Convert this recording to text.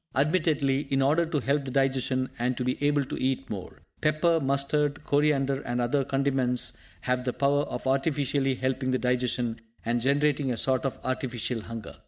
Admittedly, in order to help the digestion, and to be able to eat more. Pepper, mustard, coriander and other condiments have the power of artificially helping the digestion, and generating a sort of artificial hunger.